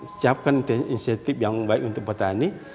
siapkan insentif yang baik untuk petani